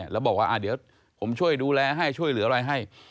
แล้วบอกว่าเดี๋ยวผมช่วยดูแลให้ช่วยเหลืออะไรให้